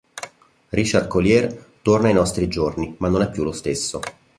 Richard Collier torna ai nostri giorni, ma non è più lo stesso.